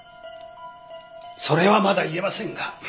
それはまだ言えませんが。